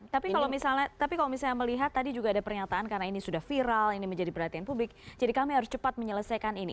tapi kalau misalnya tapi kalau misalnya melihat tadi juga ada pernyataan karena ini sudah viral ini menjadi perhatian publik jadi kami harus cepat menyelesaikan ini